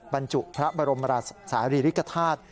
บรรจุพระบรมราชสารีริกฐาตุ